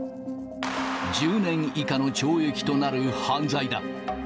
１０年以下の懲役となる犯罪だ。